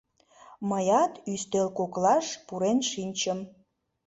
Мыят ӱстел коклаш пурен шинчым.